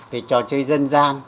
về trò chơi dân gian